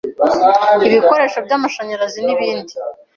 ibikoresho by amashanyarazi n ibindi